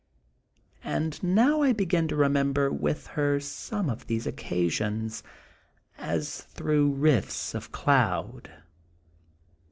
And now I begin to remember with her some of those occasions as through rifts of cloud.